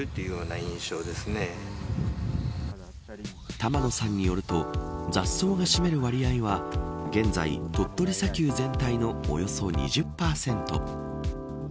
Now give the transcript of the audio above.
玉野さんによると雑草が占める割合は現在、鳥取砂丘全体のおよそ２０％。